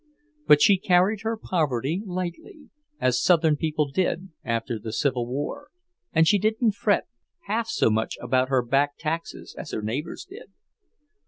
But she carried her poverty lightly, as Southern people did after the Civil War, and she didn't fret half so much about her back taxes as her neighbours did.